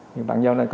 thì bạn nhớ lên